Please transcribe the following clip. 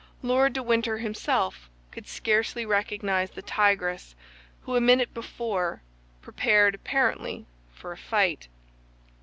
Lord de Winter himself could scarcely recognize the tigress who, a minute before, prepared apparently for a fight.